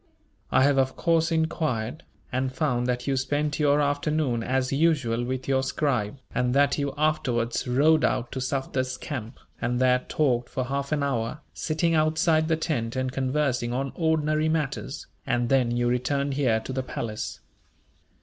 I have of course enquired, and found that you spent your afternoon, as usual, with your scribe; and that you afterwards rode out to Sufder's camp, and there talked for half an hour, sitting outside the tent and conversing on ordinary matters; and then you returned here to the palace.